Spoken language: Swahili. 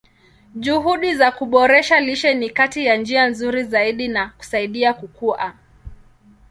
Juhudi za kuboresha lishe ni kati ya njia nzuri zaidi za kusaidia kukua.